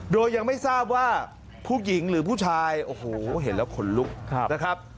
โดยยังไม่ทราบว่าผู้หญิงหรือผู้ชายโอ้โหเห็นแล้วขนลุกนะครับ